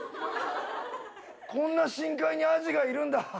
こんな深海にアジがいるんだ。